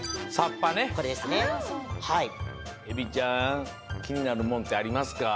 エビちゃんきになるもんってありますか？